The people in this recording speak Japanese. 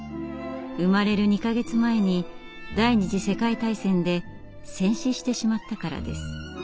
生まれる２か月前に第二次世界大戦で戦死してしまったからです。